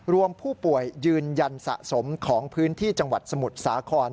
รวมผู้ป่วยยืนยันสะสมของพื้นที่จังหวัดสมุทรสาคร